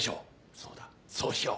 そうだそうしよう！